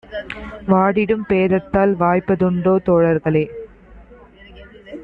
வாடிடும் பேதத்தால் வாய்ப்பதுண்டோ தோழர்களே!